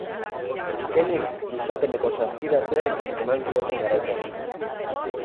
Azkenik, luzapeneko saskiratzeek eman zioten garaipena.